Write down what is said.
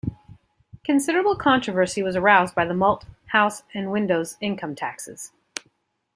Considerable controversy was aroused by the malt, house and windows and income taxes.